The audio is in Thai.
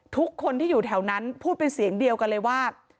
ทุกคนที่อยู่แถวนั้นพูดเป็นเสียงเดียวกันเลยว่า